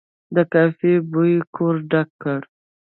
د کافي بوی کور ډک کړ.